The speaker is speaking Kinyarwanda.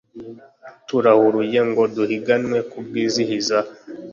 Turahuruye ngo duhiganwe kubwizihiza.